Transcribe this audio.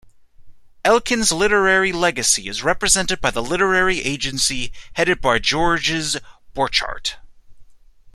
Elkin's literary legacy is represented by the literary agency headed by Georges Borchardt.